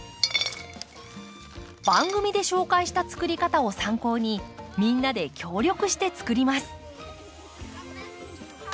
番組で紹介した作り方を参考にみんなで協力して作ります。